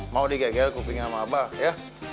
mau digegel kupingnya sama abah ya